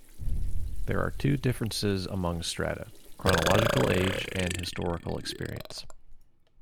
There are two differences among strata: chronological age and historical experience.